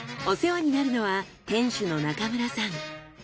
お世話になるのは店主の中村さん。